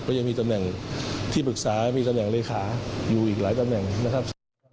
ก็ยังมีตำแหน่งที่ปรึกษามีตำแหน่งเลขาอยู่อีกหลายตำแหน่งนะครับ